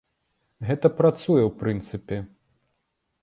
Гэта працуе ў прынцыпе.